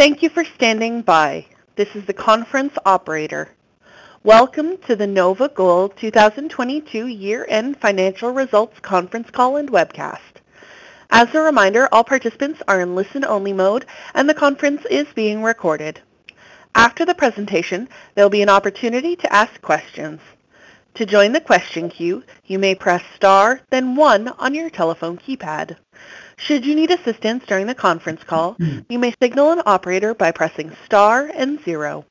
Thank you for standing by. This is the conference operator. Welcome to the NOVAGOLD 2022 year-end financial results conference call and webcast. As a reminder, all participants are in listen-only mode, and the conference is being recorded. After the presentation, there'll be an opportunity to ask questions. To join the question queue, you may press star, then one on your telephone keypad. Should you need assistance during the conference call, you may signal an operator by pressing star and zero.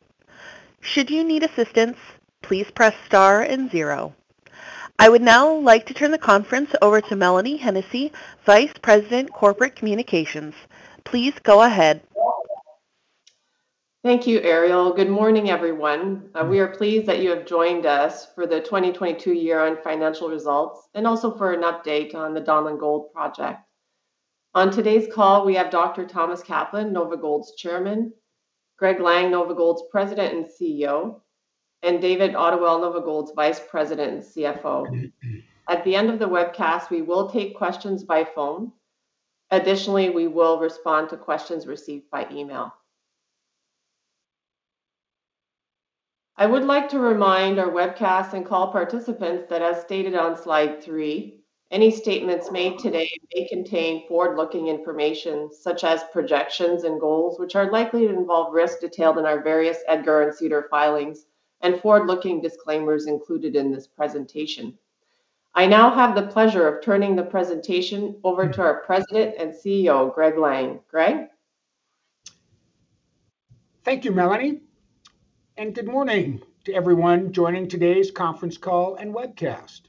Should you need assistance, please press star and zero. I would now like to turn the conference over to Mélanie Hennessey, Vice President, Corporate Communications. Please go ahead. Thank you, Ariel. Good morning, everyone. We are pleased that you have joined us for the 2022 year-end financial results and also for an update on the Donlin Gold project. On today's call, we have Dr. Thomas Kaplan, NOVAGOLD's Chairman, Greg Lang, NOVAGOLD's President and CEO, and David Ottewell, NOVAGOLD's Vice President and CFO. At the end of the webcast, we will take questions by phone. We will respond to questions received by email. I would like to remind our webcast and call participants that as stated on slide three, any statements made today may contain forward-looking information such as projections and goals, which are likely to involve risks detailed in our various EDGAR and SEDAR filings and forward-looking disclaimers included in this presentation. I now have the pleasure of turning the presentation over to our President and CEO, Greg Lang. Greg? Thank you, Mélanie. Good morning to everyone joining today's conference call and webcast.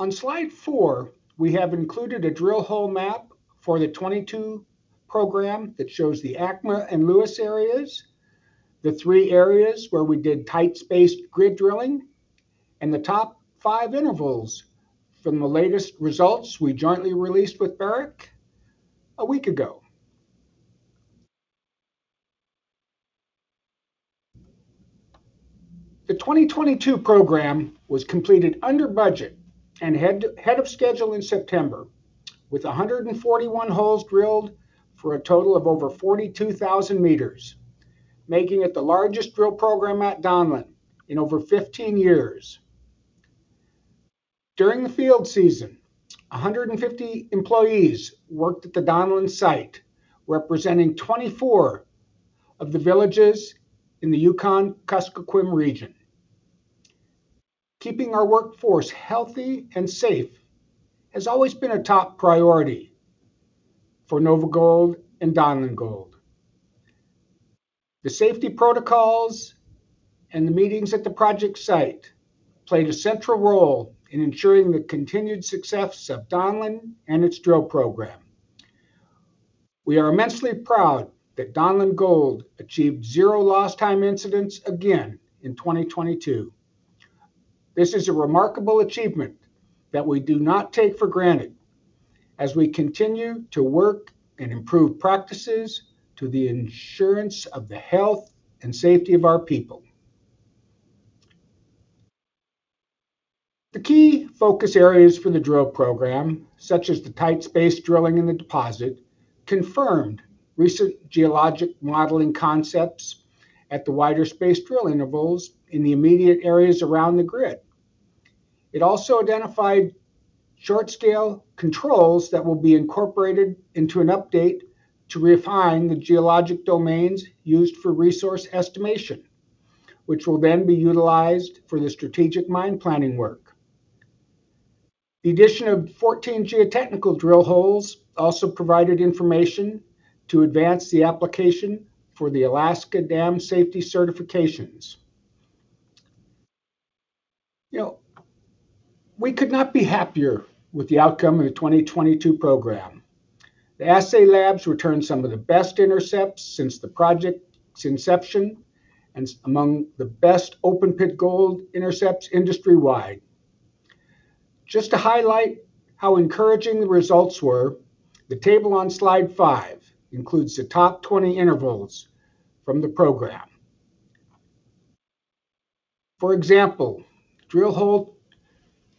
On slide four, we have included a drill hole map for the 2022 program that shows the ACMA and Lewis areas, the three areas where we did tight space grid drilling, and the top five intervals from the latest results we jointly released with Barrick a week ago. The 2022 program was completed under budget ahead of schedule in September with 141 holes drilled for a total of over 42,000 m, making it the largest drill program at Donlin in over 15 years. During the field season, 150 employees worked at the Donlin site, representing 24 of the villages in the Yukon Kuskokwim region. Keeping our workforce healthy and safe has always been a top priority for NOVAGOLD and Donlin Gold. The safety protocols and the meetings at the project site played a central role in ensuring the continued success of Donlin and its drill program. We are immensely proud that Donlin Gold achieved zero lost time incidents again in 2022. This is a remarkable achievement that we do not take for granted as we continue to work and improve practices to the insurance of the health and safety of our people. The key focus areas for the drill program, such as the tight space drilling in the deposit, confirmed recent geologic modeling concepts at the wider space drill intervals in the immediate areas around the grid. It also identified short scale controls that will be incorporated into an update to refine the geologic domains used for resource estimation, which will then be utilized for the strategic mine planning work. The addition of 14 geotechnical drill holes also provided information to advance the application for the Alaska Dam Safety certifications. You know, we could not be happier with the outcome of the 2022 program. The assay labs returned some of the best intercepts since the project's inception and among the best open pit gold intercepts industry-wide. Just to highlight how encouraging the results were, the table on slide five includes the top 20 intervals from the program. For example, drill hole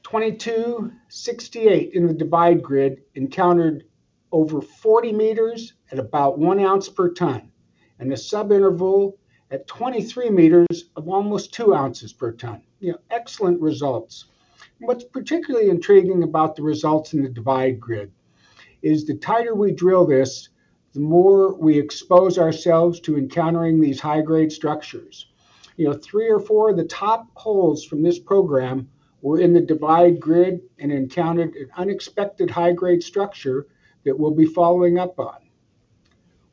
2268 in the Divide Grid encountered over 40 m at about 1 oz per ton, and the subinterval at 23 m of almost 2 oz per ton. You know, excellent results. What's particularly intriguing about the results in the Divide Grid is the tighter we drill this, the more we expose ourselves to encountering these high-grade structures. You know, three or four of the top holes from this program were in the Divide Grid and encountered an unexpected high-grade structure that we'll be following up on.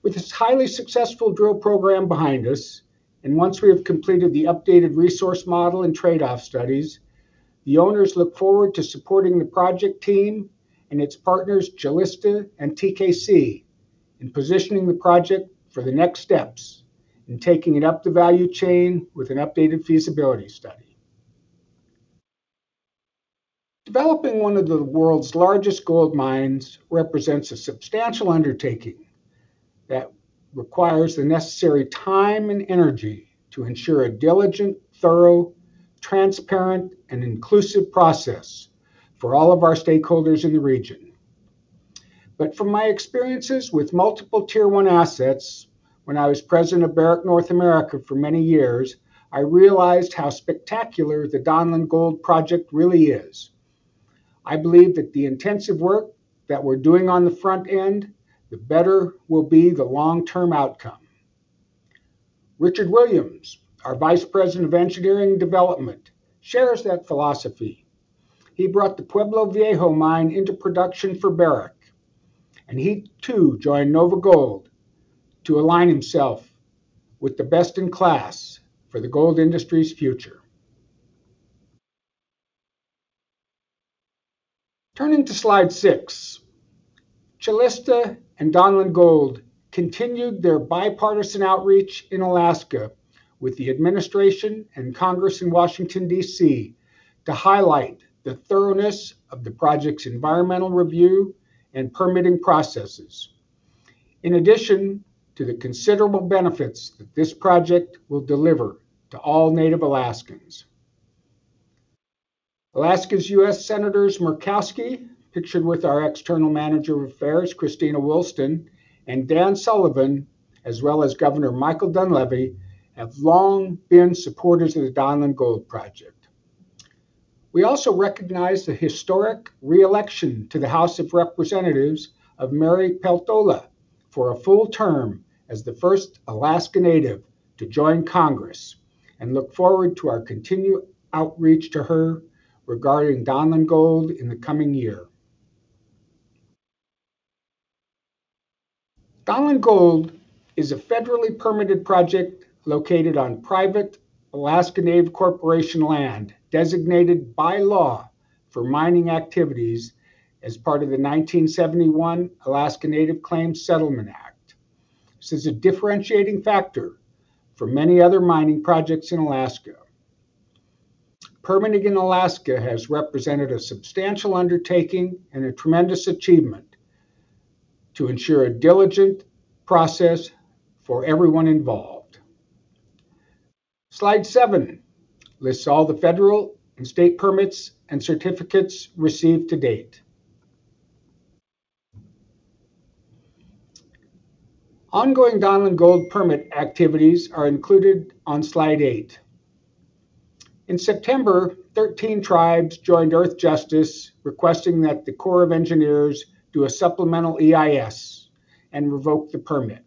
With this highly successful drill program behind us, and once we have completed the updated resource model and trade-off studies, the owners look forward to supporting the project team and its partners, Calista and TKC, in positioning the project for the next steps in taking it up the value chain with an updated feasibility study. Developing one of the world's largest gold mines represents a substantial undertaking that requires the necessary time and energy to ensure a diligent, thorough, transparent and inclusive process for all of our stakeholders in the region. From my experiences with multiple tier one assets when I was president of Barrick North America for many years, I realized how spectacular the Donlin Gold project really is. I believe that the intensive work that we're doing on the front end, the better will be the long-term outcome. Richard Williams, our Vice President of Engineering Development, shares that philosophy. He brought the Pueblo Viejo mine into production for Barrick, and he too joined NOVAGOLD to align himself with the best in class for the gold industry's future. Turning to slide six, Calista and Donlin Gold continued their bipartisan outreach in Alaska with the administration and Congress in Washington, D.C. to highlight the thoroughness of the project's environmental review and permitting processes. In addition to the considerable benefits that this project will deliver to all native Alaskans. Alaska's U.S. Senators Murkowski, pictured with our External Manager of Affairs, Kristina Woolston and Dan Sullivan, as well as Governor Michael Dunleavy, have long been supporters of the Donlin Gold project. We also recognize the historic re-election to the House of Representatives of Mary Peltola for a full term as the first Alaska Native to join Congress and look forward to our continued outreach to her regarding Donlin Gold in the coming year. Donlin Gold is a federally permitted project located on private Alaska Native Corporation land designated by law for mining activities as part of the 1971 Alaska Native Claims Settlement Act. This is a differentiating factor for many other mining projects in Alaska. Permitting in Alaska has represented a substantial undertaking and a tremendous achievement to ensure a diligent process for everyone involved. Slide seven lists all the federal and state permits and certificates received to date. Ongoing Donlin Gold permit activities are included on slide eight. In September, 13 tribes joined Earthjustice requesting that the Corps of Engineers do a supplemental EIS and revoke the permit.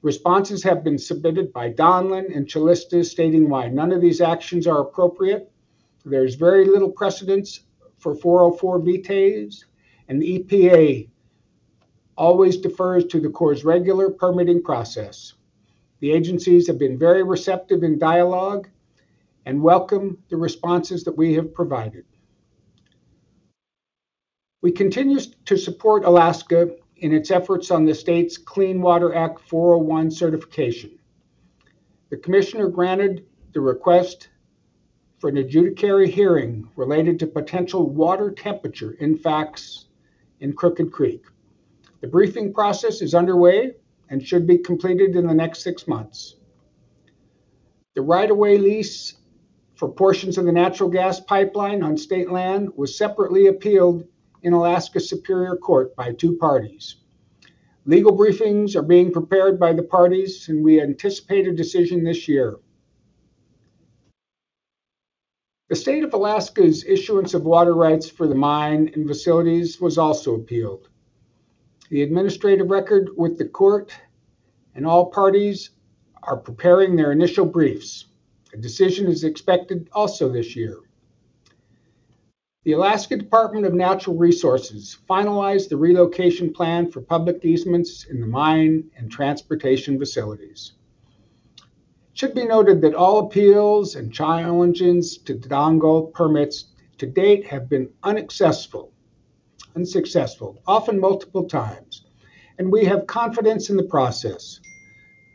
Responses have been submitted by Donlin and Calista stating why none of these actions are appropriate. There's very little precedence for 404 vetoes and the EPA always defers to the Corps' regular permitting process. The agencies have been very receptive in dialogue and welcome the responses that we have provided. We continue to support Alaska in its efforts on the state's Clean Water Act 401 certification. The commissioner granted the request for an adjudicatory hearing related to potential water temperature impacts in Crooked Creek. The briefing process is underway and should be completed in the next six months. The right of way lease for portions of the natural gas pipeline on state land was separately appealed in Alaska Superior Court by two parties. Legal briefings are being prepared by the parties and we anticipate a decision this year. The state of Alaska's issuance of water rights for the mine and facilities was also appealed. The administrative record with the court and all parties are preparing their initial briefs. A decision is expected also this year. The Alaska Department of Natural Resources finalized the relocation plan for public easements in the mine and transportation facilities. It should be noted that all appeals and challenges to Donlin Gold permits to date have been unsuccessful, often multiple times, and we have confidence in the process.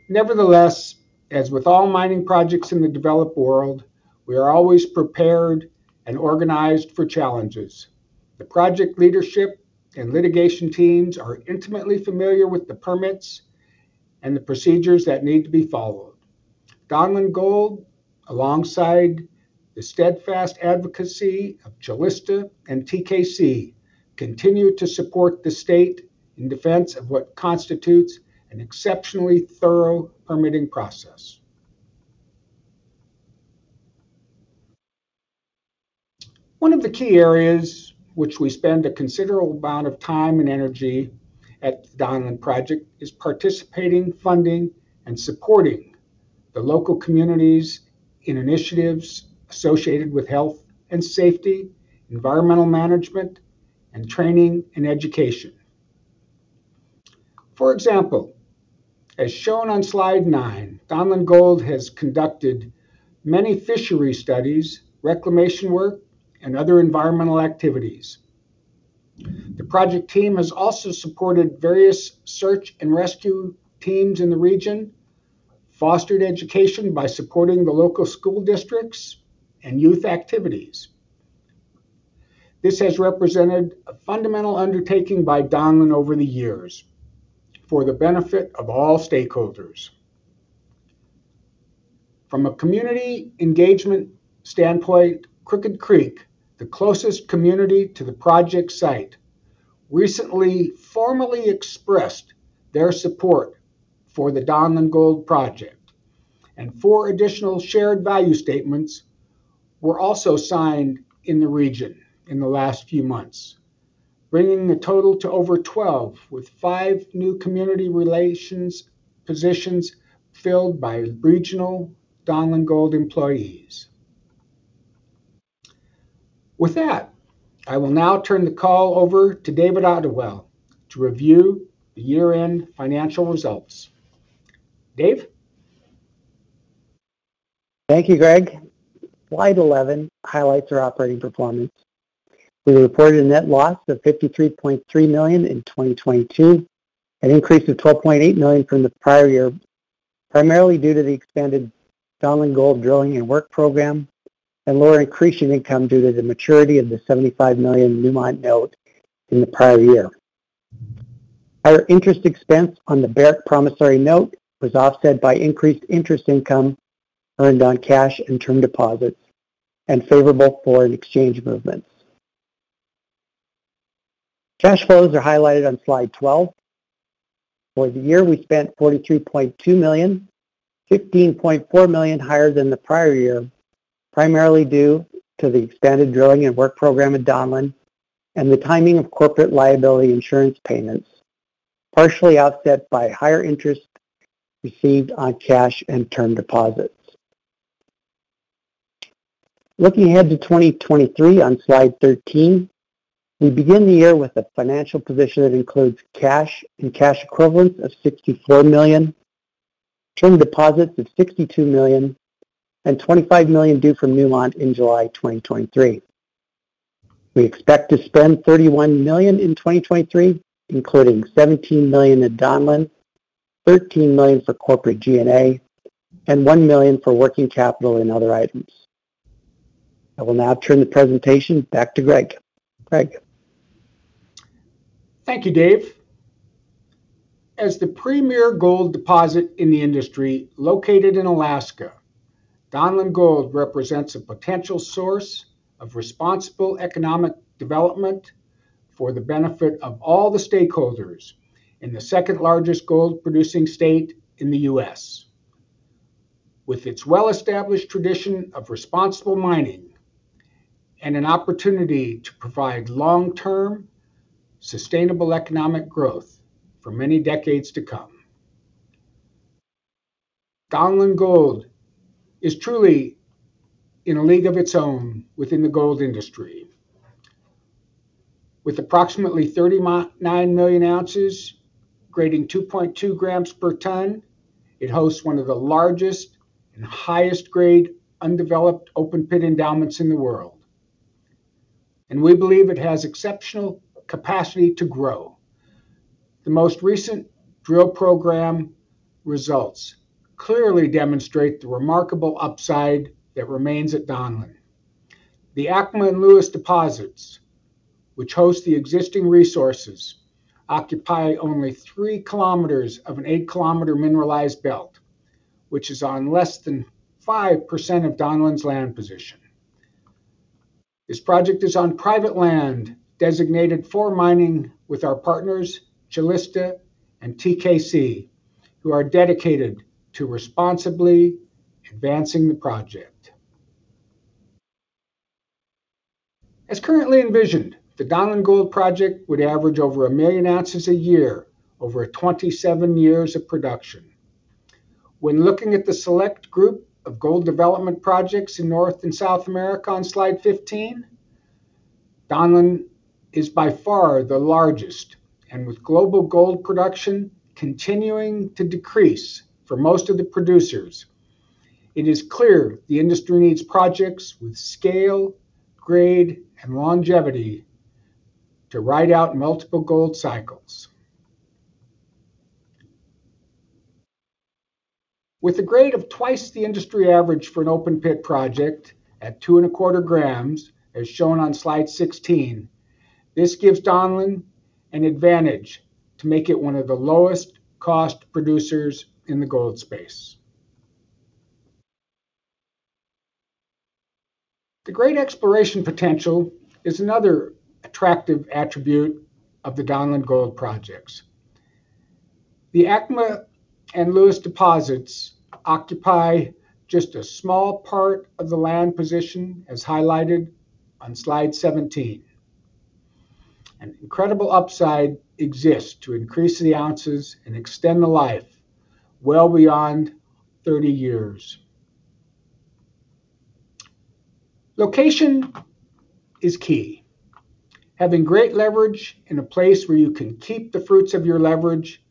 Nevertheless, as with all mining projects in the developed world, we are always prepared and organized for challenges. The project leadership and litigation teams are intimately familiar with the permits and the procedures that need to be followed. Donlin Gold, alongside the steadfast advocacy of Calista and TKC, continue to support the state in defense of what constitutes an exceptionally thorough permitting process. One of the key areas which we spend a considerable amount of time and energy at the Donlin project is participating, funding, and supporting the local communities in initiatives associated with health and safety, environmental management, and training and education. For example, as shown on slide nine, Donlin Gold has conducted many fishery studies, reclamation work, and other environmental activities. The project team has also supported various search and rescue teams in the region, fostered education by supporting the local school districts and youth activities. This has represented a fundamental undertaking by Donlin over the years for the benefit of all stakeholders. From a community engagement standpoint, Crooked Creek, the closest community to the project site, recently formally expressed their support for the Donlin Gold project, and four additional shared value statements were also signed in the region in the last few months, bringing the total to over 12, with five new community relations positions filled by regional Donlin Gold employees. With that, I will now turn the call over to David Ottewell to review the year-end financial results. Dave? Thank you, Greg. Slide 11 highlights our operating performance. We reported a net loss of $53.3 million in 2022, an increase of $12.8 million from the prior year, primarily due to the expanded Donlin Gold drilling and work program and lower accretion income due to the maturity of the $75 million Newmont note in the prior year. Our interest expense on the Barrick promissory note was offset by increased interest income earned on cash and term deposits and favorable foreign exchange movements. Cash flows are highlighted on slide 12. For the year, we spent $42.2 million, $15.4 million higher than the prior year, primarily due to the expanded drilling and work program at Donlin and the timing of corporate liability insurance payments, partially offset by higher interest received on cash and term deposits. Looking ahead to 2023 on slide 13, we begin the year with a financial position that includes cash and cash equivalents of $64 million, term deposits of $62 million, and $25 million due from Newmont in July 2023. We expect to spend $31 million in 2023, including $17 million at Donlin, $13 million for corporate G&A, and $1 million for working capital and other items. I will now turn the presentation back to Greg. Greg? Thank you, Dave. As the premier gold deposit in the industry located in Alaska, Donlin Gold represents a potential source of responsible economic development for the benefit of all the stakeholders in the second largest gold producing state in the U.S. With its well-established tradition of responsible mining and an opportunity to provide long-term, sustainable economic growth for many decades to come. Donlin Gold is truly in a league of its own within the gold industry. With approximately 39 million oz grading 2.2 g per ton, it hosts one of the largest and highest grade undeveloped open pit endowments in the world. We believe it has exceptional capacity to grow. The most recent drill program results clearly demonstrate the remarkable upside that remains at Donlin. The ACMA and Lewis deposits, which host the existing resources, occupy only 3 km of an 8 km mineralized belt, which is on less than 5% of Donlin's land position. This project is on private land designated for mining with our partners, Calista and TKC, who are dedicated to responsibly advancing the project. As currently envisioned, the Donlin Gold project would average over 1 million oz a year over 27 years of production. When looking at the select group of gold development projects in North and South America on slide 15, Donlin is by far the largest. With global gold production continuing to decrease for most of the producers, it is clear the industry needs projects with scale, grade, and longevity to ride out multiple gold cycles. With a grade of twice the industry average for an open pit project at two and a quarter grams, as shown on slide 16, this gives Donlin an advantage to make it one of the lowest cost producers in the gold space. The great exploration potential is another attractive attribute of the Donlin Gold projects. The ACMA and Lewis deposits occupy just a small part of the land position, as highlighted on slide 17. An incredible upside exists to increase the ounces and extend the life well beyond 30 years. Location is key. Having great leverage in a place where you can keep the fruits of your leverage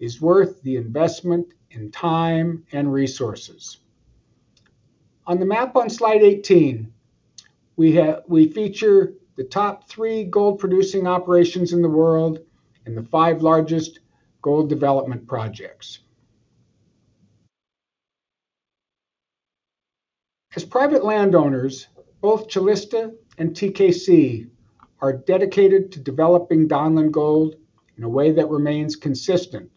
is worth the investment in time and resources. On the map on slide 18, we feature the top three gold producing operations in the world and the five largest gold development projects. As private landowners, both Calista and TKC are dedicated to developing Donlin Gold in a way that remains consistent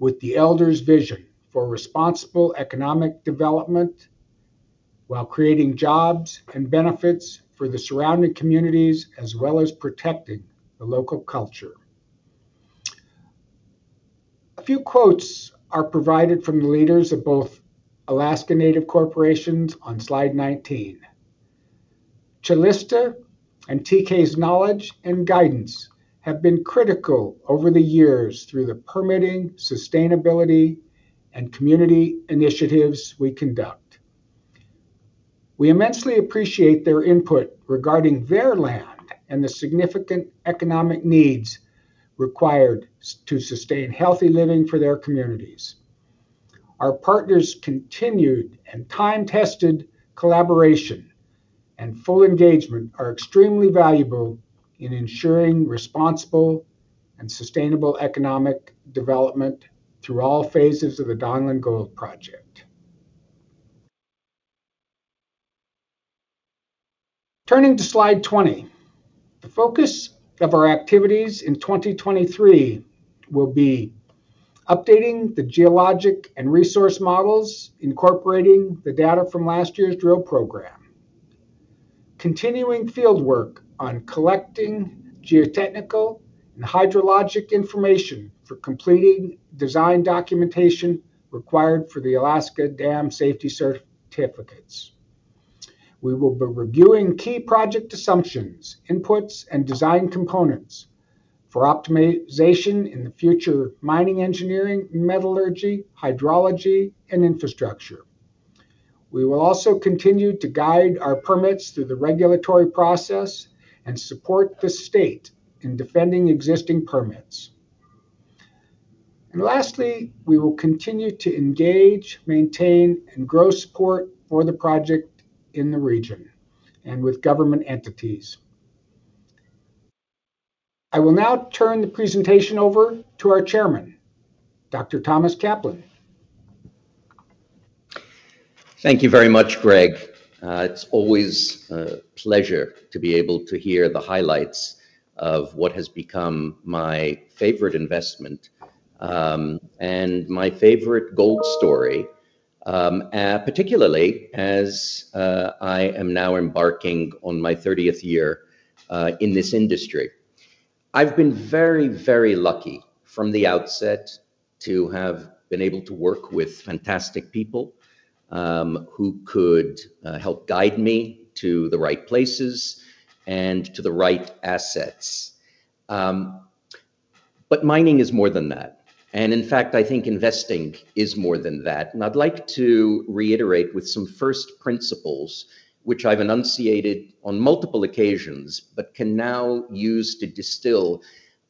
with the elders' vision for responsible economic development while creating jobs and benefits for the surrounding communities as well as protecting the local culture. A few quotes are provided from the leaders of both Alaska Native Corporations on slide 19. Calista and TKC's knowledge and guidance have been critical over the years through the permitting, sustainability, and community initiatives we conduct. We immensely appreciate their input regarding their land and the significant economic needs required to sustain healthy living for their communities. Our partners' continued and time-tested collaboration and full engagement are extremely valuable in ensuring responsible and sustainable economic development through all phases of the Donlin Gold project. Turning to slide 20, the focus of our activities in 2023 will be updating the geologic and resource models incorporating the data from last year's drill program, continuing field work on collecting geotechnical and hydrologic information for completing design documentation required for the Alaska Dam Safety certificates. We will be reviewing key project assumptions, inputs, and design components for optimization in the future mining engineering, metallurgy, hydrology, and infrastructure. We will also continue to guide our permits through the regulatory process and support the state in defending existing permits. Lastly, we will continue to engage, maintain, and grow support for the project in the region and with government entities. I will now turn the presentation over to our chairman, Dr. Thomas Kaplan. Thank you very much, Greg. It's always a pleasure to be able to hear the highlights of what has become my favorite investment, and my favorite gold story, particularly as I am now embarking on my 30th year in this industry. I've been very, very lucky from the outset to have been able to work with fantastic people, who could help guide me to the right places and to the right assets. But mining is more than that. In fact, I think investing is more than that. I'd like to reiterate with some first principles, which I've enunciated on multiple occasions, but can now use to distill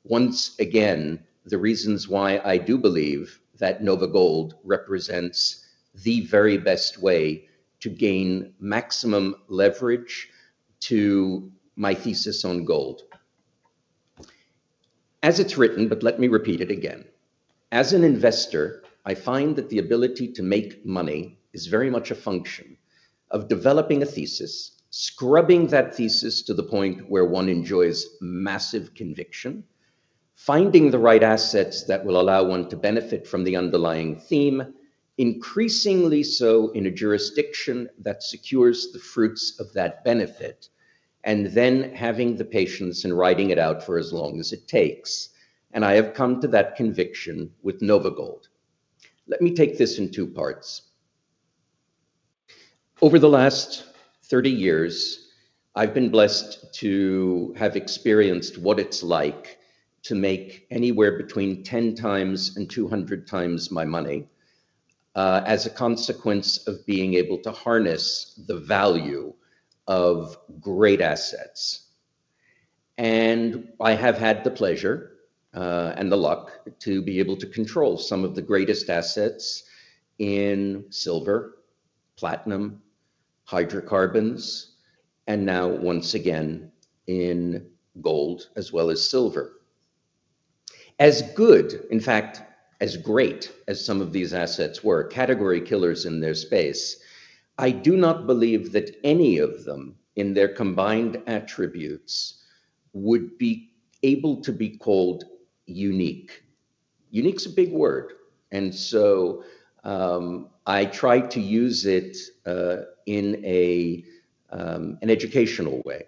once again the reasons why I do believe that NOVAGOLD represents the very best way to gain maximum leverage to my thesis on gold. As it's written, let me repeat it again, as an investor, I find that the ability to make money is very much a function of developing a thesis, scrubbing that thesis to the point where one enjoys massive conviction, finding the right assets that will allow one to benefit from the underlying theme, increasingly so in a jurisdiction that secures the fruits of that benefit, and then having the patience and riding it out for as long as it takes. I have come to that conviction with NOVAGOLD. Let me take this in two parts. Over the last 30 years, I've been blessed to have experienced what it's like to make anywhere between 10x and 200x my money, as a consequence of being able to harness the value of great assets. I have had the pleasure and the luck to be able to control some of the greatest assets in silver, platinum, hydrocarbons, and now once again in gold as well as silver. As good, in fact, as great as some of these assets were, category killers in their space, I do not believe that any of them in their combined attributes would be able to be called unique. Unique's a big word, and so, I try to use it in an educational way.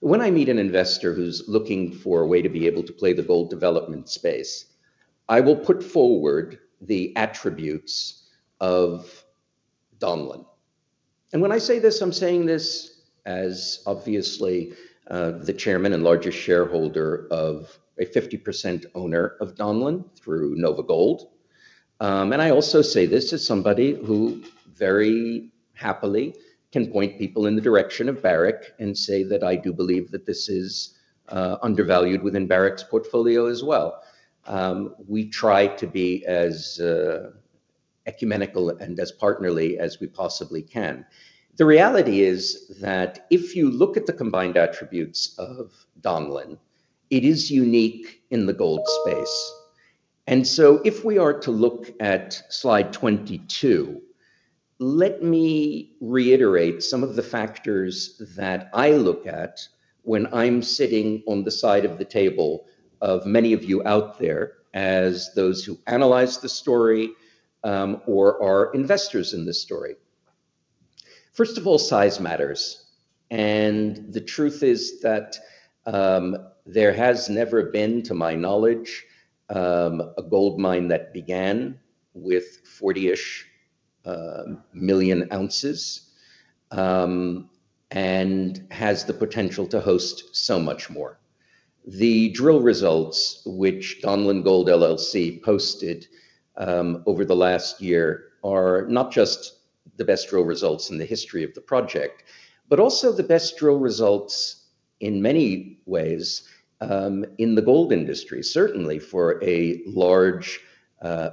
When I meet an investor who's looking for a way to be able to play the gold development space, I will put forward the attributes of Donlin. When I say this, I'm saying this as obviously, the chairman and largest shareholder of a 50% owner of Donlin through NOVAGOLD. And I also say this as somebody who very happily can point people in the direction of Barrick and say that I do believe that this is undervalued within Barrick's portfolio as well. We try to be as ecumenical and as partnerly as we possibly can. The reality is that if you look at the combined attributes of Donlin, it is unique in the gold space. If we are to look at slide 22, let me reiterate some of the factors that I look at when I'm sitting on the side of the table of many of you out there as those who analyze the story, or are investors in this story. First of all, size matters, and the truth is that, to my knowledge, there has never been a gold mine that began with 40-ish million oz and has the potential to host so much more. The drill results which Donlin Gold LLC posted over the last year are not just the best drill results in the history of the project, but also the best drill results in many ways in the gold industry, certainly for a large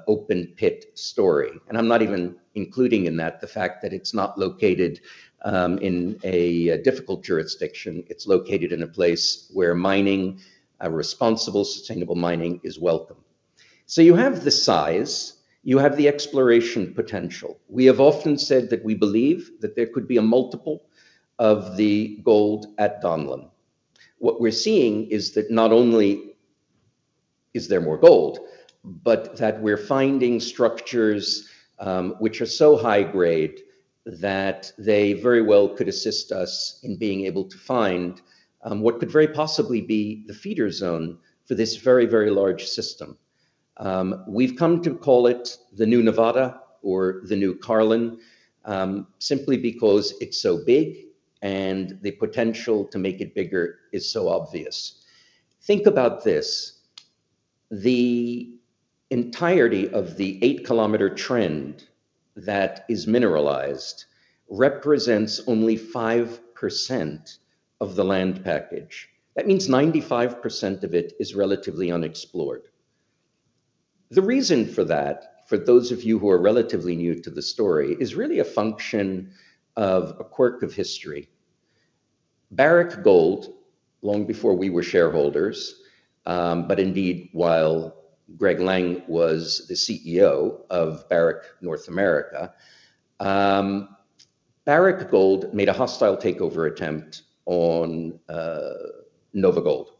open-pit story. I'm not even including in that the fact that it's not located in a difficult jurisdiction. It's located in a place where mining, a responsible, sustainable mining is welcome. You have the size, you have the exploration potential. We have often said that we believe that there could be a multiple of the gold at Donlin. What we're seeing is that not only is there more gold, that we're finding structures which are so high grade that they very well could assist us in being able to find what could very possibly be the feeder zone for this very, very large system. We've come to call it the New Nevada or the New Carlin, simply because it's so big, the potential to make it bigger is so obvious. Think about this. The entirety of the 8 km trend that is mineralized represents only 5% of the land package. That means 95% of it is relatively unexplored. The reason for that, for those of you who are relatively new to the story, is really a function of a quirk of history. Barrick Gold, long before we were shareholders, but indeed, while Greg Lang was the CEO of Barrick North America, Barrick Gold made a hostile takeover attempt on NOVAGOLD.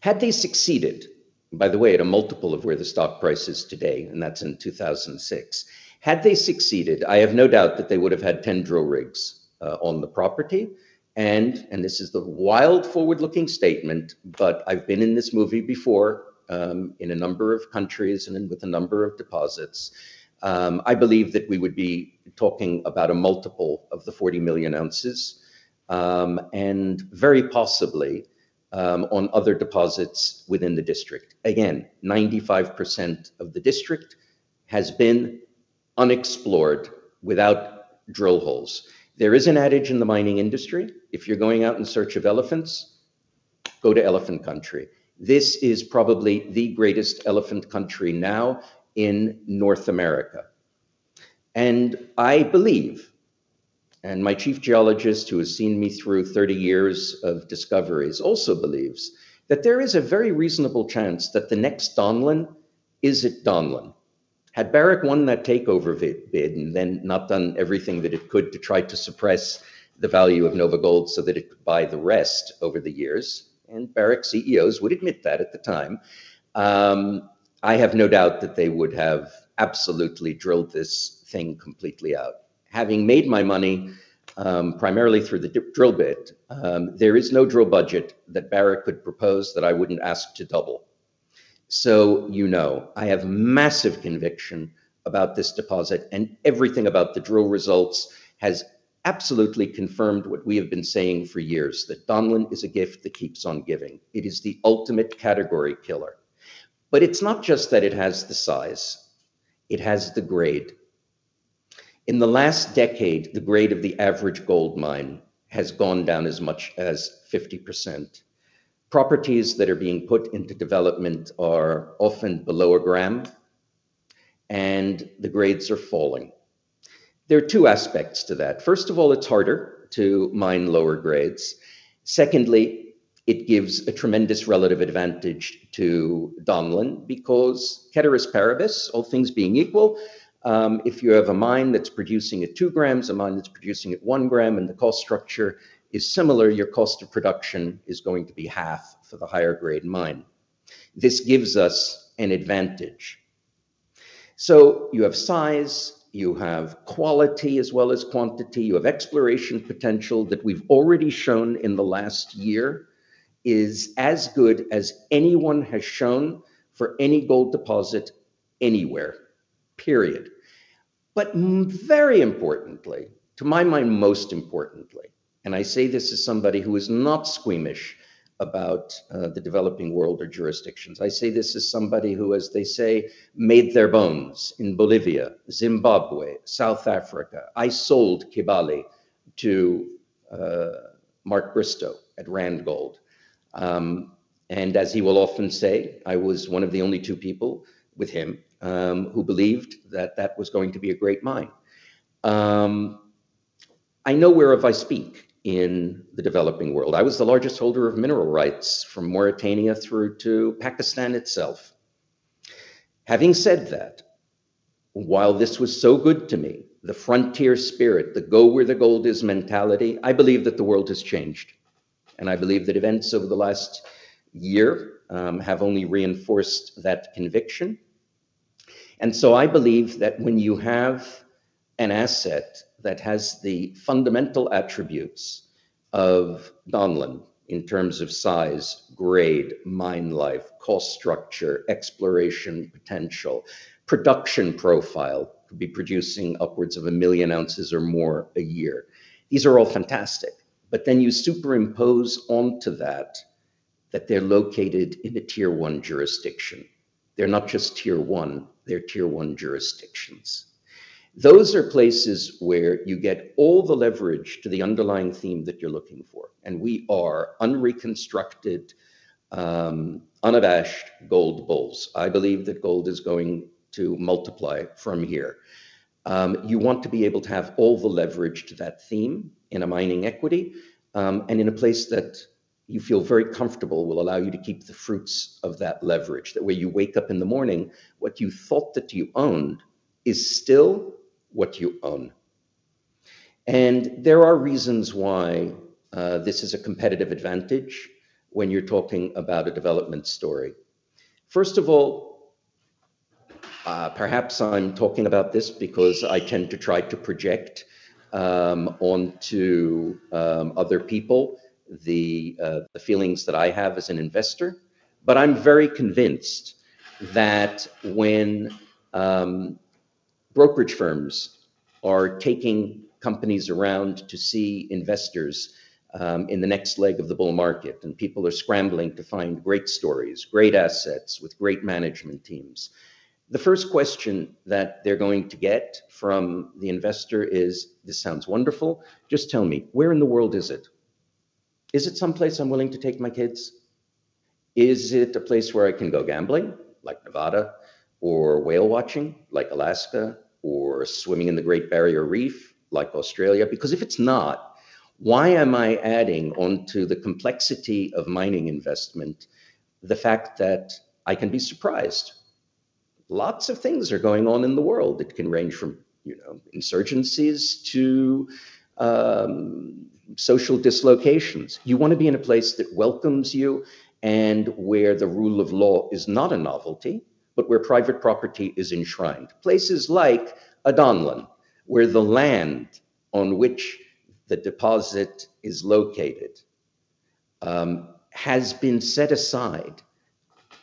Had they succeeded, by the way, at a multiple of where the stock price is today, and that's in 2006, had they succeeded, I have no doubt that they would have had 10 drill rigs on the property, and this is the wild forward-looking statement, but I've been in this movie before, in a number of countries and with a number of deposits. I believe that we would be talking about a multiple of the 40 million oz, and very possibly, on other deposits within the district. Again, 95% of the district has been unexplored without drill holes. There is an adage in the mining industry, if you're going out in search of elephants, go to elephant country. This is probably the greatest elephant country now in North America. I believe, and my chief geologist, who has seen me through 30 years of discoveries, also believes that there is a very reasonable chance that the next Donlin is at Donlin. Had Barrick won that takeover bid and then not done everything that it could to try to suppress the value of NOVAGOLD so that it could buy the rest over the years, and Barrick CEOs would admit that at the time, I have no doubt that they would have absolutely drilled this thing completely out. Having made my money, primarily through the drill bit, there is no drill budget that Barrick could propose that I wouldn't ask to double. You know, I have massive conviction about this deposit, and everything about the drill results has absolutely confirmed what we have been saying for years, that Donlin is a gift that keeps on giving. It is the ultimate category killer. It's not just that it has the size, it has the grade. In the last decade, the grade of the average gold mine has gone down as much as 50%. Properties that are being put into development are often below a gram, and the grades are falling. There are two aspects to that. First of all, it's harder to mine lower grades. Secondly, it gives a tremendous relative advantage to Donlin because ceteris paribus, all things being equal, if you have a mine that's producing at 2 g, a mine that's producing at 1 g, and the cost structure is similar, your cost of production is going to be half for the higher-grade mine. This gives us an advantage. You have size, you have quality as well as quantity, you have exploration potential that we've already shown in the last year is as good as anyone has shown for any gold deposit anywhere, period. Very importantly, to my mind, most importantly, and I say this as somebody who is not squeamish about the developing world or jurisdictions. I say this as somebody who, as they say, made their bones in Bolivia, Zimbabwe, South Africa. I sold Kibali to Mark Bristow at Randgold. As he will often say, I was one of the only two people with him, who believed that that was going to be a great mine. I know whereof I speak in the developing world. I was the largest holder of mineral rights from Mauritania through to Pakistan itself. Having said that, while this was so good to me, the frontier spirit, the go-where-the-gold-is mentality, I believe that the world has changed, and I believe that events over the last year, have only reinforced that conviction. I believe that when you have an asset that has the fundamental attributes of Donlin in terms of size, grade, mine life, cost structure, exploration potential, production profile, could be producing upwards of 1 million oz or more a year. These are all fantastic. You superimpose onto that they're located in a Tier-1 jurisdiction. They're not just Tier-1, they're Tier-1 jurisdictions. Those are places where you get all the leverage to the underlying theme that you're looking for, and we are unreconstructed, unabashed gold bulls. I believe that gold is going to multiply from here. You want to be able to have all the leverage to that theme in a mining equity, and in a place that you feel very comfortable will allow you to keep the fruits of that leverage. That way you wake up in the morning, what you thought that you owned is still what you own. There are reasons why this is a competitive advantage when you're talking about a development story. First of all, perhaps I'm talking about this because I tend to try to project onto other people the feelings that I have as an investor. I'm very convinced that when brokerage firms are taking companies around to see investors in the next leg of the bull market, and people are scrambling to find great stories, great assets with great management teams, the first question that they're going to get from the investor is, "This sounds wonderful. Just tell me, where in the world is it? Is it someplace I'm willing to take my kids? Is it a place where I can go gambling, like Nevada, or whale watching, like Alaska, or swimming in the Great Barrier Reef, like Australia? If it's not, why am I adding onto the complexity of mining investment the fact that I can be surprised?" Lots of things are going on in the world. It can range from, you know, insurgencies to social dislocations. You want to be in a place that welcomes you where the rule of law is not a novelty, but where private property is enshrined. Places like Donlin, where the land on which the deposit is located, has been set aside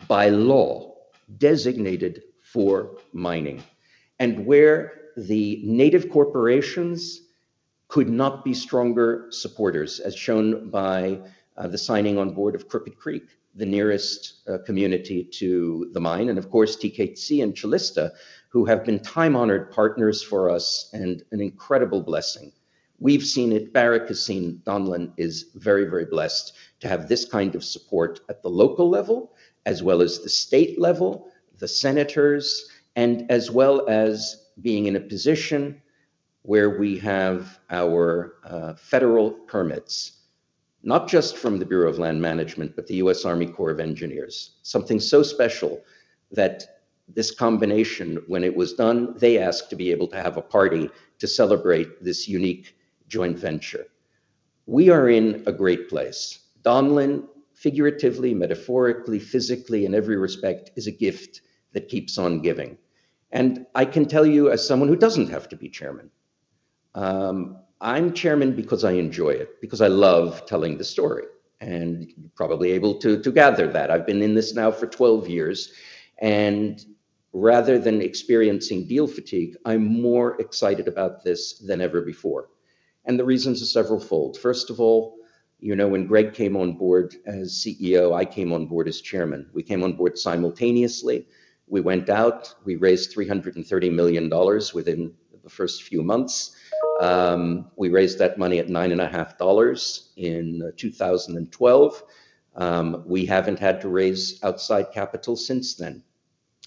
by law, designated for mining, and where the Native corporations could not be stronger supporters, as shown by the signing on board of Crooked Creek, the nearest community to the mine, and of course, TKC and Calista, who have been time-honored partners for us and an incredible blessing. We've seen it. Barrick has seen Donlin is very, very blessed to have this kind of support at the local level as well as the state level, the senators, and as well as being in a position where we have our federal permits, not just from the Bureau of Land Management, but the U.S. Army Corps of Engineers. Something so special that this combination, when it was done, they asked to be able to have a party to celebrate this unique joint venture. We are in a great place. Donlin, figuratively, metaphorically, physically, in every respect, is a gift that keeps on giving. I can tell you as someone who doesn't have to be chairman, I'm chairman because I enjoy it, because I love telling the story, and you're probably able to gather that. I've been in this now for 12 years, rather than experiencing deal fatigue, I'm more excited about this than ever before, the reasons are several-fold. First of all, you know, when Greg came on board as CEO, I came on board as chairman. We came on board simultaneously. We went out. We raised $330 million within the first few months. We raised that money at $9.50 in 2012. We haven't had to raise outside capital since then.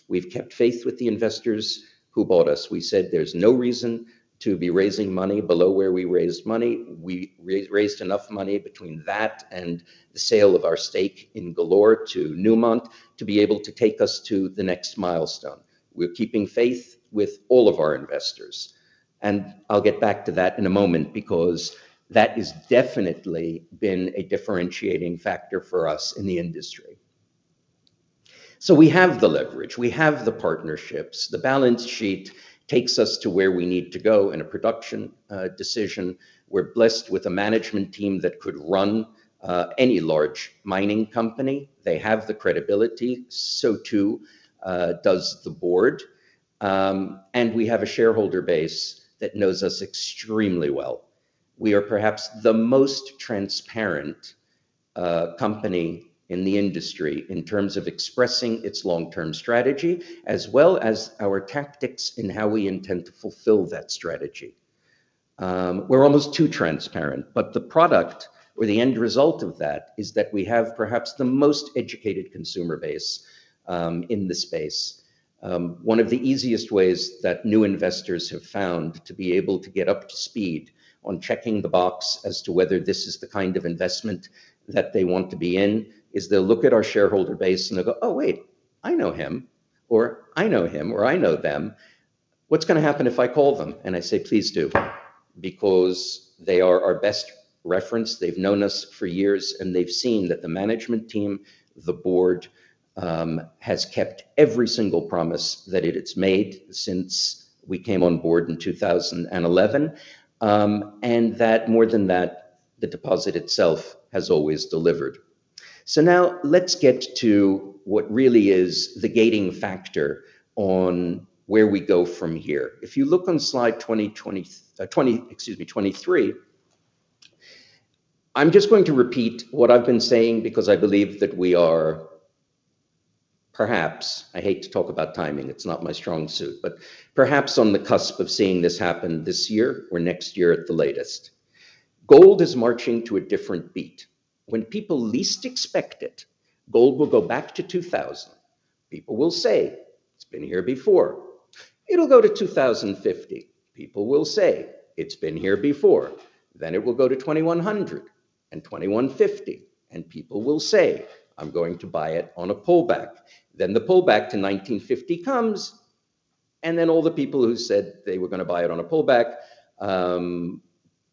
We've kept faith with the investors who bought us. We said there's no reason to be raising money below where we raised money. We raised enough money between that and the sale of our stake in Galore to Newmont to be able to take us to the next milestone. We're keeping faith with all of our investors, and I'll get back to that in a moment because that has definitely been a differentiating factor for us in the industry. We have the leverage. We have the partnerships. The balance sheet takes us to where we need to go in a production decision. We're blessed with a management team that could run any large mining company. They have the credibility, so too, does the board. We have a shareholder base that knows us extremely well. We are perhaps the most transparent company in the industry in terms of expressing its long-term strategy as well as our tactics in how we intend to fulfill that strategy. We're almost too transparent, but the product or the end result of that is that we have perhaps the most educated consumer base in the space. One of the easiest ways that new investors have found to be able to get up to speed on checking the box as to whether this is the kind of investment that they want to be in is they'll look at our shareholder base, and they'll go, "Oh, wait, I know him," or, "I know him," or, "I know them. What's gonna happen if I call them?" I say, "Please do," because they are our best reference. They've known us for years. They've seen that the management team, the board, has kept every single promise that it has made since we came on board in 2011. More than that, the deposit itself has always delivered. Now let's get to what really is the gating factor on where we go from here. If you look on slide 23, I'm just going to repeat what I've been saying because I believe that we are perhaps, I hate to talk about timing, it's not my strong suit, but perhaps on the cusp of seeing this happen this year or next year at the latest. Gold is marching to a different beat. When people least expect it, gold will go back to $2,000. People will say, "It's been here before." It'll go to $2,050. People will say, "It's been here before." It will go to $2,100-$2,150, and people will say, "I'm going to buy it on a pullback." The pullback to $1,950 comes, and then all the people who said they were gonna buy it on a pullback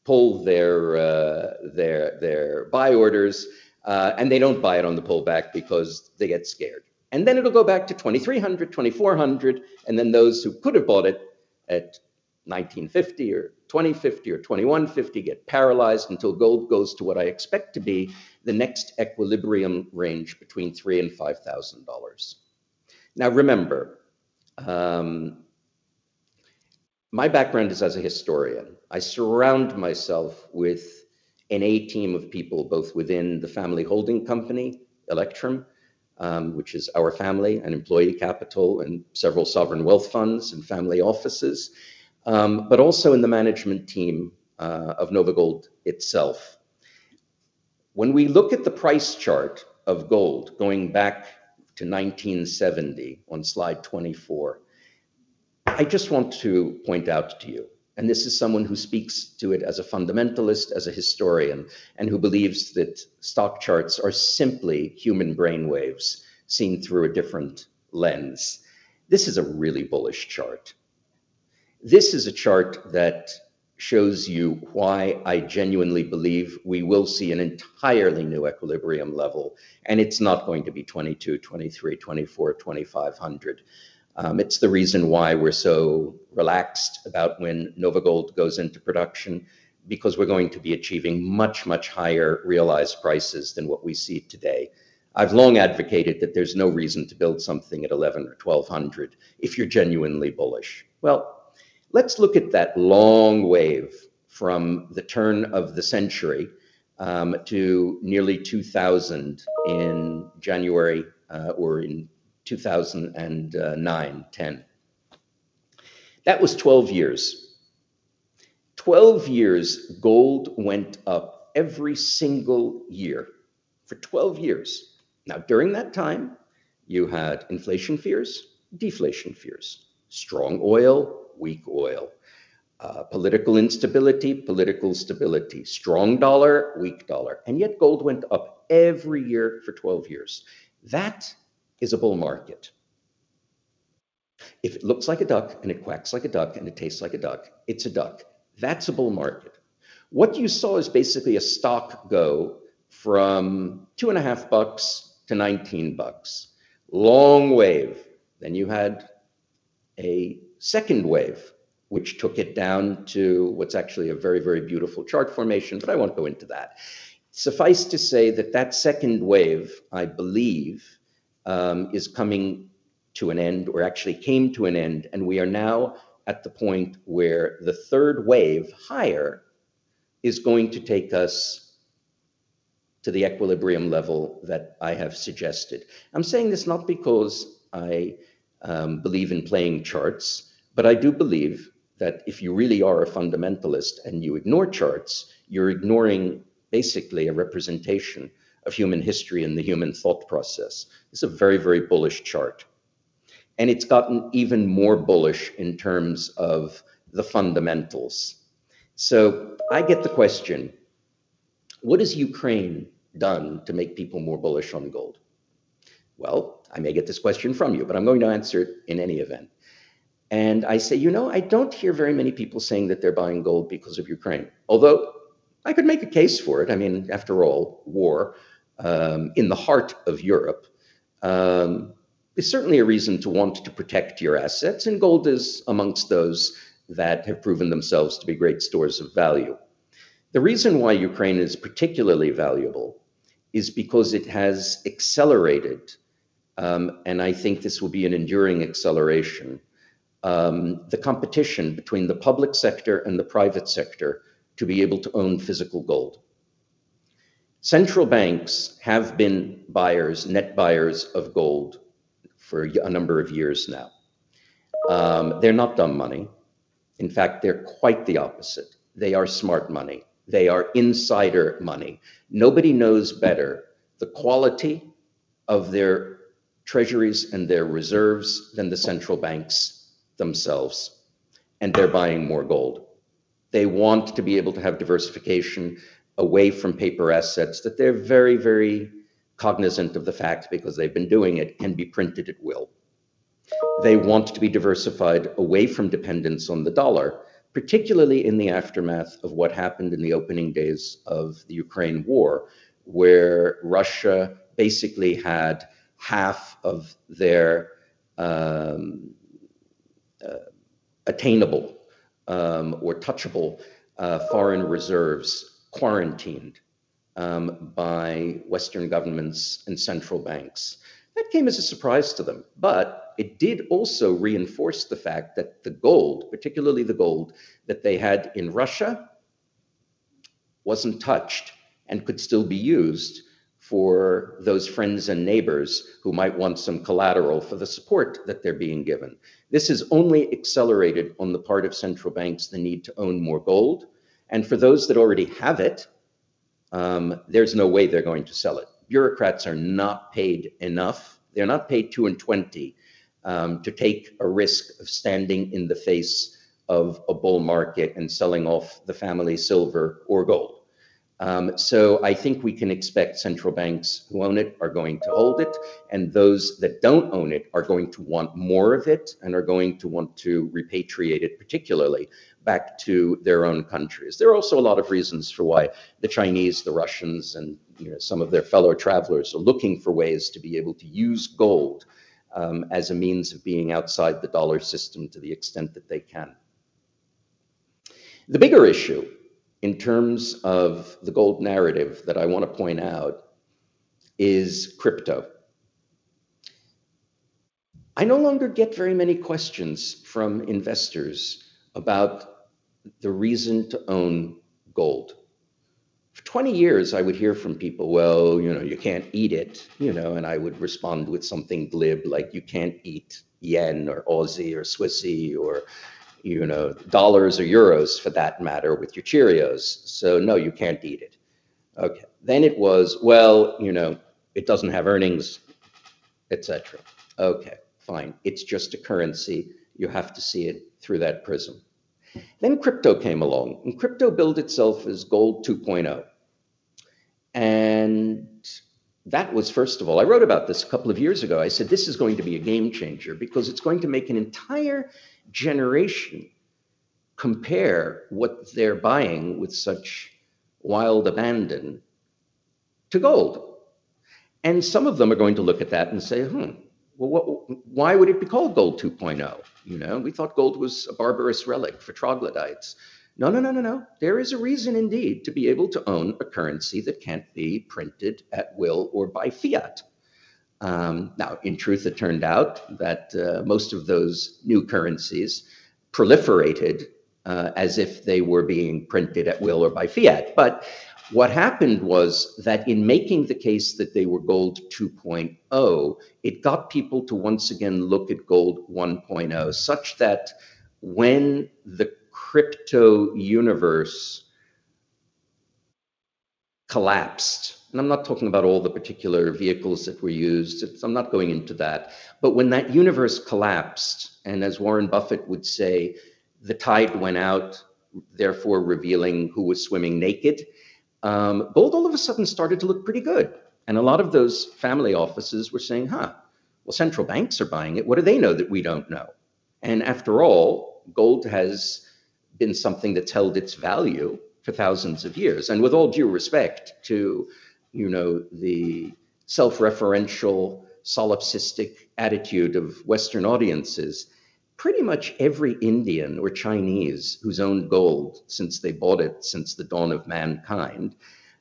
pull their buy orders, and they don't buy it on the pullback because they get scared. It'll go back to $2,300, $2,400, and then those who could have bought it at $1,950 or $2,050 or $2,150 get paralyzed until gold goes to what I expect to be the next equilibrium range between $3,000 and $5,000. Remember, my background is as a historian. I surround myself with an A-team of people, both within the family holding company, Electrum, which is our family and employee capital and several sovereign wealth funds and family offices, but also in the management team of NOVAGOLD itself. When we look at the price chart of gold going back to 1970 on slide 24, I just want to point out to you, and this is someone who speaks to it as a fundamentalist, as a historian, and who believes that stock charts are simply human brainwaves seen through a different lens. This is a really bullish chart. This is a chart that shows you why I genuinely believe we will see an entirely new equilibrium level, and it's not going to be $2,200, $2,300, $2,400, $2,500. It's the reason why we're so relaxed about when NOVAGOLD goes into production, because we're going to be achieving much, much higher realized prices than what we see today. I've long advocated that there's no reason to build something at $1,100 or $1,200 if you're genuinely bullish. Let's look at that long wave from the turn of the century, to nearly 2000 in January, or in 2009, 2010. That was 12 years. 12 years gold went up every single year for 12 years. Now, during that time, you had inflation fears, deflation fears, strong oil, weak oil, political instability, political stability, strong dollar, weak dollar. Yet gold went up every year for 12 years. That is a bull market. If it looks like a duck, and it quacks like a duck, and it tastes like a duck, it's a duck. That's a bull market. What you saw is basically a stock go from $2.5-$19. Long wave. You had a second wave, which took it down to what's actually a very, very beautiful chart formation, but I won't go into that. Suffice to say that that second wave, I believe, is coming to an end or actually came to an end, and we are now at the point where the third wave higher is going to take us to the equilibrium level that I have suggested. I'm saying this not because I believe in playing charts, but I do believe that if you really are a fundamentalist and you ignore charts, you're ignoring basically a representation of human history and the human thought process. It's a very, very bullish chart, and it's gotten even more bullish in terms of the fundamentals. I get the question, "What has Ukraine done to make people more bullish on gold?" Well, I may get this question from you, but I'm going to answer it in any event. I say, "You know, I don't hear very many people saying that they're buying gold because of Ukraine," although I could make a case for it. I mean, after all, war, in the heart of Europe, is certainly a reason to want to protect your assets, and gold is amongst those that have proven themselves to be great stores of value. The reason why Ukraine is particularly valuable is because it has accelerated, and I think this will be an enduring acceleration, the competition between the public sector and the private sector to be able to own physical gold. Central banks have been buyers, net buyers of gold for a number of years now. They're not dumb money. In fact, they're quite the opposite. They are smart money. They are insider money. Nobody knows better the quality of their treasuries and their reserves than the central banks themselves, and they're buying more gold. They want to be able to have diversification away from paper assets that they're very, very cognizant of the fact, because they've been doing it, can be printed at will. They want to be diversified away from dependence on the dollar, particularly in the aftermath of what happened in the opening days of the Ukraine war, where Russia basically had half of their attainable or touchable foreign reserves quarantined by Western governments and central banks. That came as a surprise to them. It did also reinforce the fact that the gold, particularly the gold that they had in Russia, wasn't touched and could still be used for those friends and neighbors who might want some collateral for the support that they're being given. This has only accelerated on the part of central banks the need to own more gold. For those that already have it, there's no way they're going to sell it. Bureaucrats are not paid enough. They're not paid two and 20 to take a risk of standing in the face of a bull market and selling off the family silver or gold. I think we can expect central banks who own it are going to hold it, and those that don't own it are going to want more of it and are going to want to repatriate it, particularly back to their own countries. There are also a lot of reasons for why the Chinese, the Russians, and, you know, some of their fellow travelers are looking for ways to be able to use gold as a means of being outside the dollar system to the extent that they can. The bigger issue in terms of the gold narrative that I wanna point out is crypto. I no longer get very many questions from investors about the reason to own gold. For 20 years, I would hear from people, "Well, you know, you can't eat it," you know, and I would respond with something glib like, "You can't eat yen or aussie or swissy or, you know, dollars or euros for that matter with your Cheerios. No, you can't eat it." Okay. It was, "Well, you know, it doesn't have earnings," et cetera. Okay, fine. It's just a currency. You have to see it through that prism. crypto came along, and crypto billed itself as Gold 2.0. First of all, I wrote about this a couple of years ago. I said, "This is going to be a game changer because it's going to make an entire generation compare what they're buying with such wild abandon to gold." Some of them are going to look at that and say, "Hmm, why would it be called Gold 2.0? You know, we thought gold was a barbarous relic for troglodytes." No, no, no. There is a reason indeed to be able to own a currency that can't be printed at will or by fiat. Now, in truth, it turned out that most of those new currencies proliferated as if they were being printed at will or by fiat. What happened was that in making the case that they were Gold 2.0, it got people to once again look at Gold 1.0, such that when the crypto universe collapsed, I'm not talking about all the particular vehicles that were used. I'm not going into that. When that universe collapsed, and as Warren Buffett would say, "The tide went out, therefore revealing who was swimming naked," gold all of a sudden started to look pretty good. A lot of those family offices were saying, "Huh, well, central banks are buying it. What do they know that we don't know?" After all, gold has been something that's held its value for thousands of years. With all due respect to, you know, the self-referential, solipsistic attitude of Western audiences, pretty much every Indian or Chinese who's owned gold since they bought it since the dawn of mankind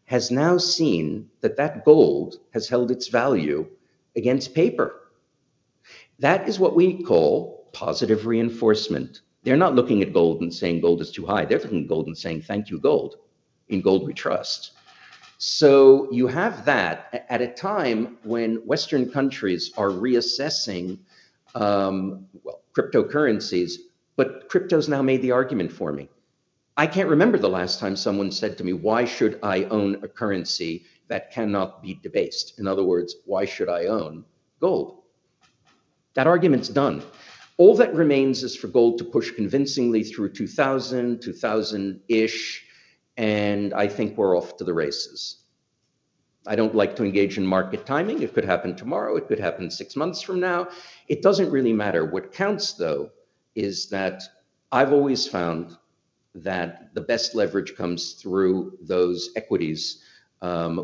has now seen that that gold has held its value against paper. That is what we call positive reinforcement. They're not looking at gold and saying gold is too high. They're looking at gold and saying, "Thank you, gold. In gold we trust." You have that at a time when Western countries are reassessing, well, cryptocurrencies, but crypto's now made the argument for me. I can't remember the last time someone said to me, "Why should I own a currency that cannot be debased?" In other words, "Why should I own gold?" That argument's done. All that remains is for gold to push convincingly through $2,000, $2,000-ish. I think we're off to the races. I don't like to engage in market timing. It could happen tomorrow. It could happen six months from now. It doesn't really matter. What counts, though, is that I've always found that the best leverage comes through those equities,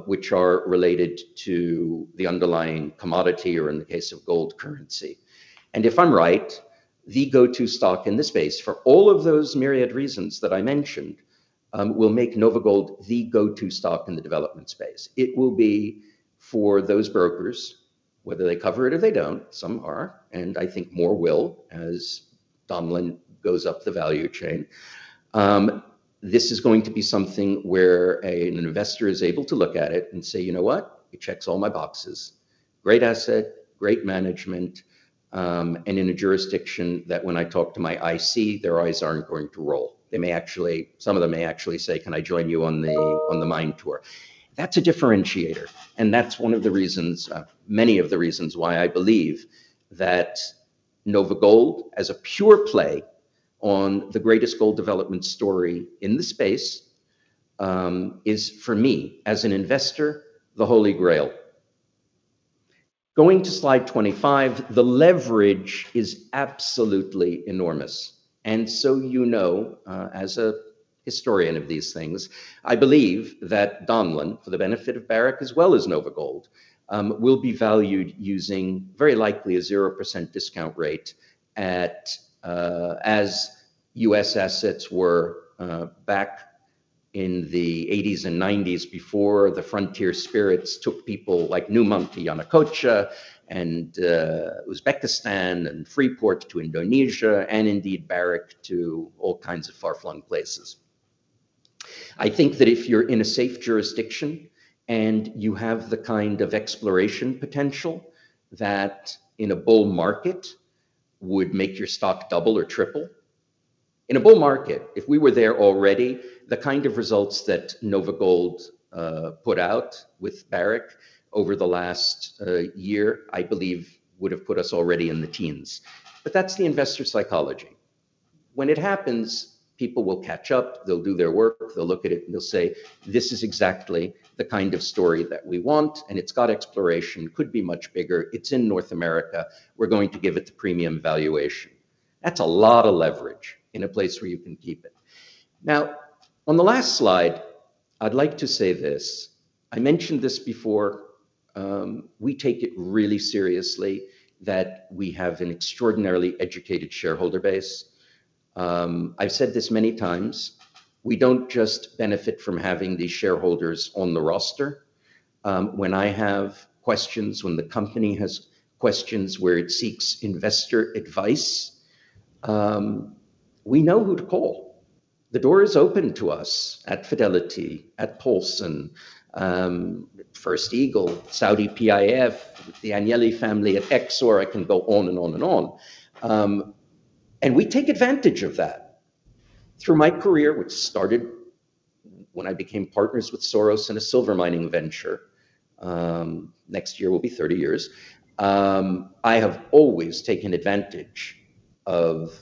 which are related to the underlying commodity or in the case of gold, currency. If I'm right, the go-to stock in this space, for all of those myriad reasons that I mentioned, will make NOVAGOLD the go-to stock in the development space. It will be for those brokers, whether they cover it or they don't. Some are, and I think more will as Donlin goes up the value chain. This is going to be something where an investor is able to look at it and say, "You know what? It checks all my boxes. Great asset, great management, and in a jurisdiction that when I talk to my IC, their eyes aren't going to roll." Some of them may actually say, "Can I join you on the, on the mine tour?" That's a differentiator, and that's one of the reasons, many of the reasons why I believe that NOVAGOLD, as a pure play on the greatest gold development story in the space, is for me, as an investor, the Holy Grail. Going to slide 25, the leverage is absolutely enormous. You know, as a historian of these things, I believe that Donlin, for the benefit of Barrick as well as NOVAGOLD, will be valued using very likely a 0% discount rate at, as U.S. assets were, back in the 80s and 90s before the frontier spirits took people like Newmont to Yanacocha and Uzbekistan and Freeport to Indonesia and indeed Barrick to all kinds of far-flung places. I think that if you're in a safe jurisdiction and you have the kind of exploration potential that in a bull market would make your stock double or triple. In a bull market, if we were there already, the kind of results that NOVAGOLD put out with Barrick over the last year, I believe would have put us already in the teens. That's the investor psychology. When it happens, people will catch up, they'll do their work, they'll look at it, they'll say, "This is exactly the kind of story that we want, it's got exploration. It could be much bigger. It's in North America. We're going to give it the premium valuation." That's a lot of leverage in a place where you can keep it. On the last slide, I'd like to say this. I mentioned this before, we take it really seriously that we have an extraordinarily educated shareholder base. I've said this many times, we don't just benefit from having these shareholders on the roster. When I have questions, when the company has questions where it seeks investor advice, we know who to call. The door is open to us at Fidelity, at Paulson, First Eagle, Saudi PIF, the Agnelli family at Exor. I can go on and on and on. We take advantage of that. Through my career, which started when I became partners with Soros in a silver mining venture, next year will be 30 years, I have always taken advantage of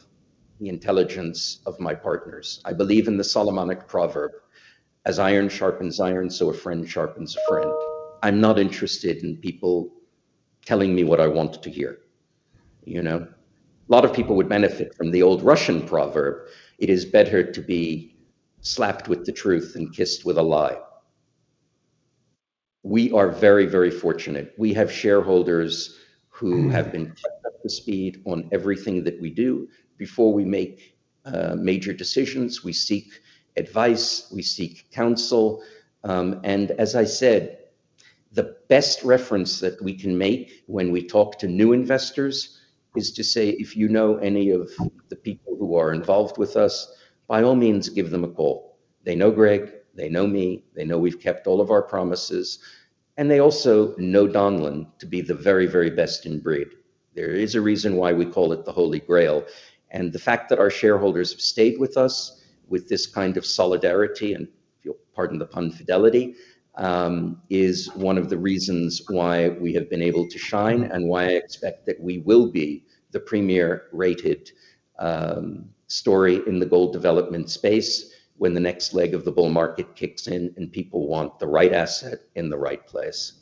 the intelligence of my partners. I believe in the Solomonic proverb, "As iron sharpens iron, so a friend sharpens a friend." I'm not interested in people telling me what I want to hear. You know? A lot of people would benefit from the old Russian proverb, "It is better to be slapped with the truth than kissed with a lie." We are very, very fortunate. We have shareholders who have been kept up to speed on everything that we do. Before we make major decisions, we seek advice, we seek counsel, as I said, the best reference that we can make when we talk to new investors is to say, "If you know any of the people who are involved with us, by all means, give them a call. They know Greg. They know me. They know we've kept all of our promises, and they also know Donlin to be the very, very best in breed." There is a reason why we call it the Holy Grail, and the fact that our shareholders have stayed with us with this kind of solidarity, and if you'll pardon the pun, Fidelity, is one of the reasons why we have been able to shine and why I expect that we will be the premier rated story in the gold development space when the next leg of the bull market kicks in and people want the right asset in the right place.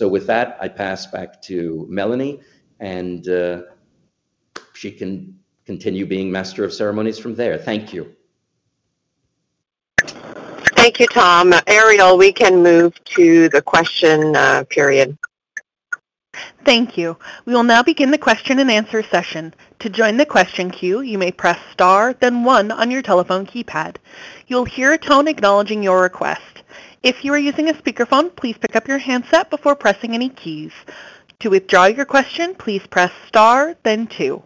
With that, I pass back to Mélanie, and she can continue being master of ceremonies from there. Thank you. Thank you, Tom. Ariel, we can move to the question period. Thank you. We will now begin the question and answer session. To join the question queue, you may press star then one on your telephone keypad. You will hear a tone acknowledging your request. If you are using a speakerphone, please pick up your handset before pressing any keys. To withdraw your question, please press star then two.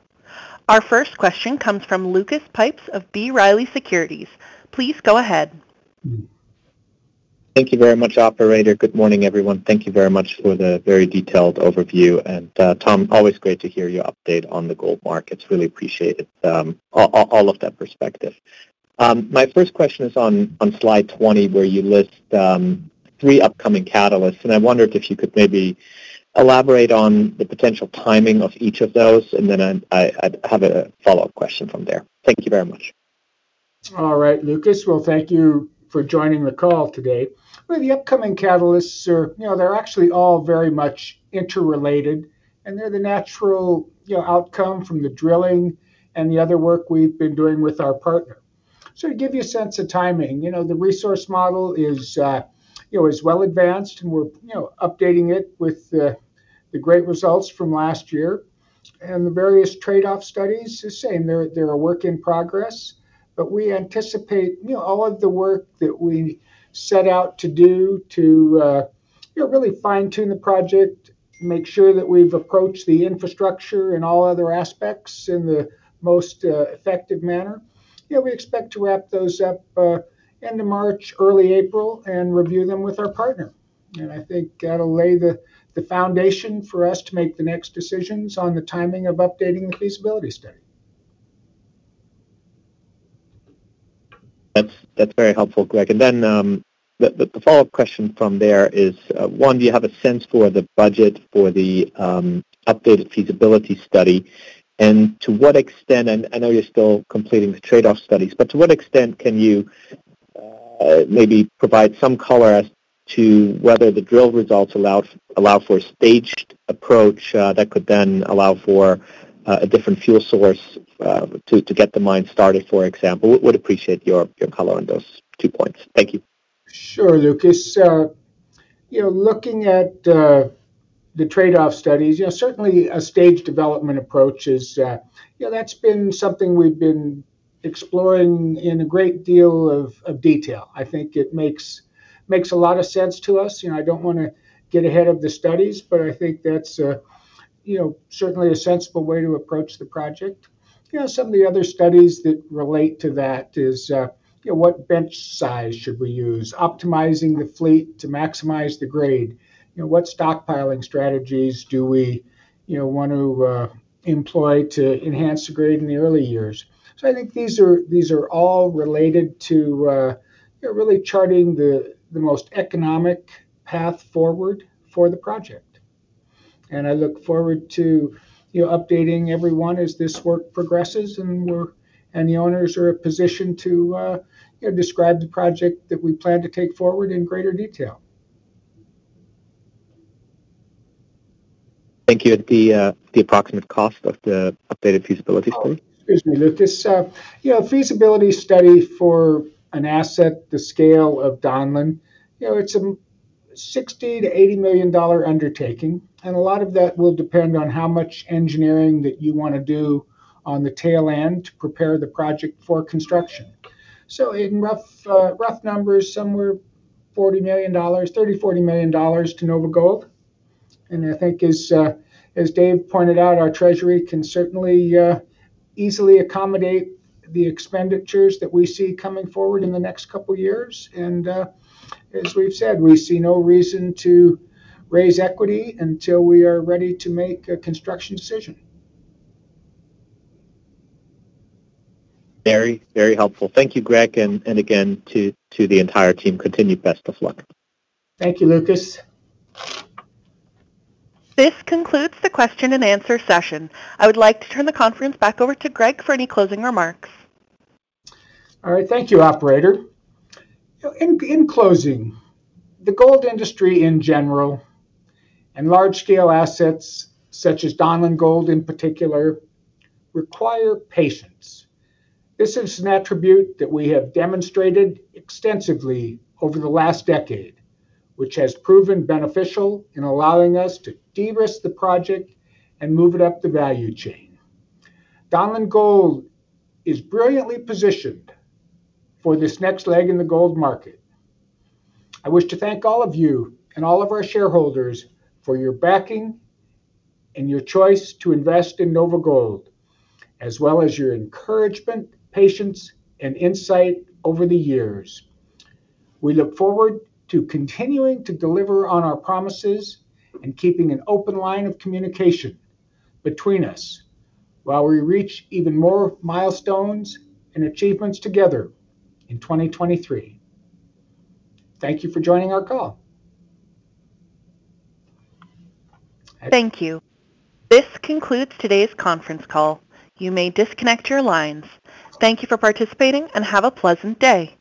Our first question comes from Lucas Pipes of B. Riley Securities. Please go ahead. Thank you very much, Operator. Good morning, everyone. Thank you very much for the very detailed overview. Tom, always great to hear your update on the gold markets. Really appreciate it, all of that perspective. My first question is on slide 20, where you list three upcoming catalysts, and I wondered if you could maybe elaborate on the potential timing of each of those, and then I have a follow-up question from there. Thank you very much. All right, Lucas. Well, thank you for joining the call today. Well, the upcoming catalysts are, you know, they're actually all very much interrelated, and they're the natural, you know, outcome from the drilling and the other work we've been doing with our partner. To give you a sense of timing, you know, the resource model is, you know, is well advanced, and we're, you know, updating it with the great results from last year. The various trade-off studies, the same. They're a work in progress, but we anticipate, you know, all of the work that we set out to do to. Yeah, really fine-tune the project, make sure that we've approached the infrastructure and all other aspects in the most effective manner. Yeah, we expect to wrap those up end of March, early April, and review them with our partner. I think that'll lay the foundation for us to make the next decisions on the timing of updating the feasibility study. That's very helpful, Greg. Then the follow-up question from there is, one, do you have a sense for the budget for the updated feasibility study? To what extent... I know you're still completing the trade-off studies, but to what extent can you maybe provide some color as to whether the drill results allow for a staged approach that could then allow for a different fuel source to get the mine started, for example? Would appreciate your color on those two points. Thank you. Sure, Lucas. You know, looking at the trade-off studies, you know, certainly a staged development approach is. You know, that's been something we've been exploring in a great deal of detail. I think it makes a lot of sense to us. You know, I don't wanna get ahead of the studies. I think that's, you know, certainly a sensible way to approach the project. You know, some of the other studies that relate to that is, you know, what bench size should we use? Optimizing the fleet to maximize the grade. You know, what stockpiling strategies do we, you know, want to employ to enhance the grade in the early years? I think these are all related to, you know, really charting the most economic path forward for the project. I look forward to, you know, updating everyone as this work progresses, and the owners are in position to, you know, describe the project that we plan to take forward in greater detail. Thank you. The approximate cost of the updated feasibility study? Excuse me, Lucas. you know, a feasibility study for an asset the scale of Donlin, you know, it's a $60 million-$80 million undertaking, and a lot of that will depend on how much engineering that you wanna do on the tail end to prepare the project for construction. In rough numbers, somewhere $40 million, $30 million-$40 million to NOVAGOLD. I think as Dave pointed out, our treasury can certainly easily accommodate the expenditures that we see coming forward in the next couple years. As we've said, we see no reason to raise equity until we are ready to make a construction decision. Very, very helpful. Thank you, Greg. Again to the entire team, continued best of luck. Thank you, Lucas. This concludes the question and answer session. I would like to turn the conference back over to Greg for any closing remarks. All right. Thank you, operator. In closing, the gold industry in general, and large scale assets such as Donlin Gold in particular, require patience. This is an attribute that we have demonstrated extensively over the last decade, which has proven beneficial in allowing us to de-risk the project and move it up the value chain. Donlin Gold is brilliantly positioned for this next leg in the gold market. I wish to thank all of you and all of our shareholders for your backing and your choice to invest in NOVAGOLD, as well as your encouragement, patience, and insight over the years. We look forward to continuing to deliver on our promises and keeping an open line of communication between us while we reach even more milestones and achievements together in 2023. Thank you for joining our call. Thank you. This concludes today's conference call. You may disconnect your lines. Thank you for participating, and have a pleasant day.